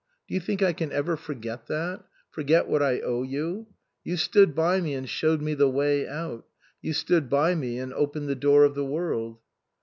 Do you think I can ever forget that? Forget what I owe you? You stood by me and showed me the way out ; you stood by and opened the door of the world."